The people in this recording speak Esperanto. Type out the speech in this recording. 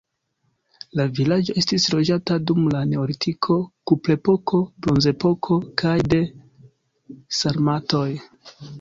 La vilaĝo estis loĝata dum la neolitiko, kuprepoko, bronzepoko kaj de sarmatoj.